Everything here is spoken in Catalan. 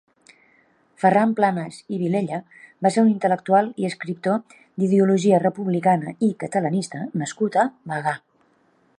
Ferran Planes i Vilella va ser un intel·lectual i escriptor d'ideologia republicana i catalanista nascut a Bagà.